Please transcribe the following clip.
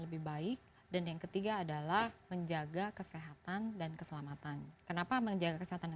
lebih baik dan yang ketiga adalah menjaga kesehatan dan keselamatan kenapa menjaga kesehatan